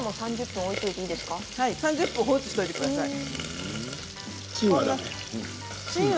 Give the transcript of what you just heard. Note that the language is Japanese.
３０分放置しておいてください。